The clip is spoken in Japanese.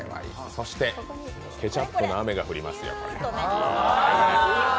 そしてケチャップの雨が降ります。